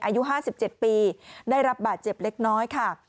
อายุห้าสิบเจ็บปีได้รับบาดเจ็บเล็กน้อยค่ะ